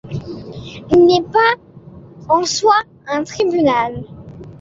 Il n’est pas, en soi, un tribunal.